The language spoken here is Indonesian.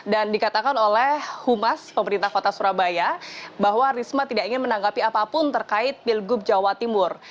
dan dikatakan oleh humas pemerintah kota surabaya bahwa risma tidak ingin menanggapi apapun terkait pilgub jawa timur